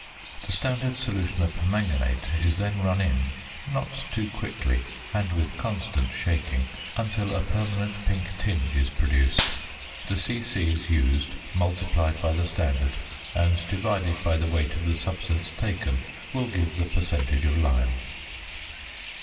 The standard solution of "permanganate" is then run in, (not too quickly, and with constant shaking) until a permanent pink tinge is produced. The c.c. used multiplied by the standard, and divided by the weight of the substance taken, will give the percentage of lime.